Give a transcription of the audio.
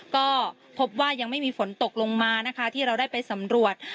ก็พบว่ายังไม่มีฝนตกลงมานะคะที่เราได้ไปสำรวจ